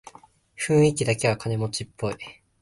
雰囲気だけは金持ちっぽい